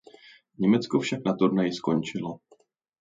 Německo však na turnaji skončilo.